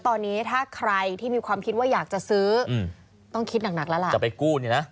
ตอนนี้ถ้าใครที่มีความคิดว่าอยากจะซื้อต้องคิดหนักแล้วล่ะจะไปกู้เนี่ยนะ